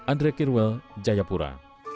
andre kirwel jayapura